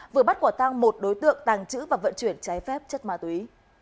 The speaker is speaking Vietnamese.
vừa bắt quả tăng một đối tượng tàng trữ và vận chuyển trái phép chất ma túy